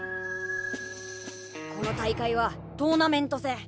この大会はトーナメント戦。